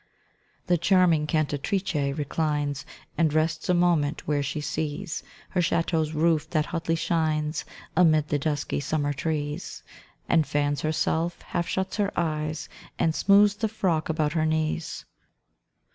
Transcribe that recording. The charming cantatrice reclines And rests a moment where she sees Her château's roof that hotly shines Amid the dusky summer trees, And fans herself, half shuts her eyes, and smoothes the frock about her knees.